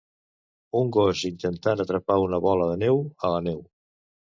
Un gos intentat atrapar una bola de neu a la neu.